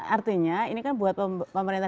artinya ini kan buat pemerintah